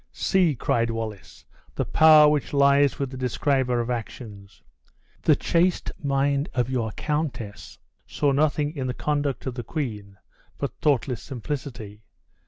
"See," cried Wallace, "the power which lies with the describer of actions! The chaste mind of your countess saw nothing in the conduct of the queen but thoughtless simplicity.